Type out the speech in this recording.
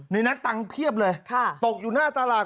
ในนั้นตังค์เพียบเลยตกอยู่หน้าตลาด